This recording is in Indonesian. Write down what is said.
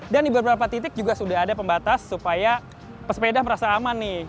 dan di beberapa titik juga sudah ada pembatas supaya pesepeda merasa aman nih